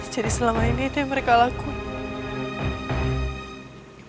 jadi selama ini itu yang mereka lakukan